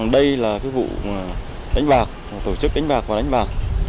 đây là vụ đánh bạc tổ chức đánh bạc và đánh bạc